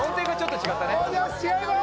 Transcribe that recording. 違います